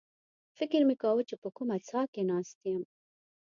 فکر مې کاوه چې په کومه څاه کې ناست یم.